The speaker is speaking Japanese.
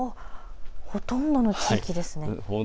ほとんどの地域ですね。